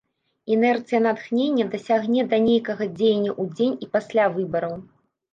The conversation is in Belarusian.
Інерцыя натхнення дацягне да нейкага дзеяння ў дзень і пасля выбараў.